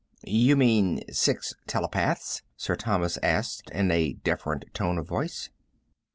"You mean six telepaths?" Sir Thomas asked in a deferent tone of voice.